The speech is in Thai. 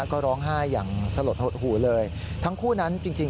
ก็ร้องไห้อย่างสลดหดหูเลยทั้งคู่นั้นจริงจริง